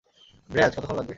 ব্র্যায, কতক্ষণ লাগবে?